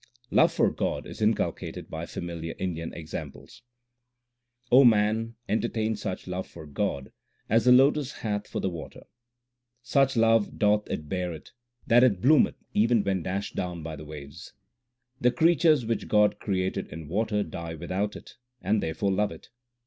Love for God is inculcated by familiar Indian examples : O man, entertain such love for God as the lotus hath for the water. HYMNS OF GURU NANAK 271 Such love doth it bear it, that it bloometh even when dashed down by the waves. The creatures which God created in water die without it, and therefore love it.